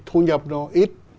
thu nhập nó ít